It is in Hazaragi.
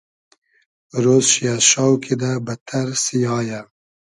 رۉز شی از شاو کیدۂ بئدتئر سیایۂ